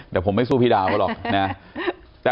แต่ผมไม่สู้พี่ดาวก็หรอกนะ